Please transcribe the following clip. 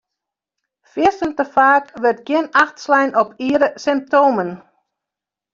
Fierstente faak wurdt gjin acht slein op iere symptomen.